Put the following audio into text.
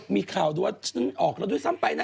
มีข่าวดูว่าฉันออกแล้วด้วยซ้ำไปนะ